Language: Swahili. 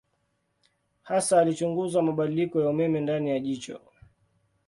Hasa alichunguza mabadiliko ya umeme ndani ya jicho.